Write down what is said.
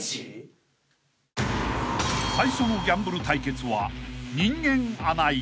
［最初のギャンブル対決は］